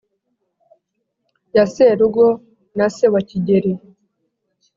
ya serugo na se wa kigeli